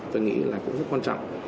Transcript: tôi nghĩ là cũng rất quan trọng